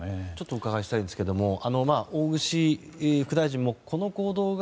お伺いしたいんですが大串副大臣もこの行動が